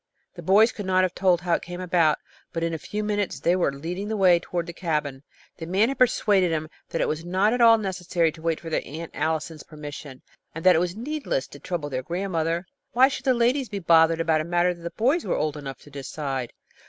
The boys could not have told how it came about, but in a few minutes they were leading the way toward the cabin. The man had persuaded them that it was not at all necessary to wait for their Aunt Allison's permission, and that it was needless to trouble their grandmother. Why should the ladies be bothered about a matter that the boys were old enough to decide?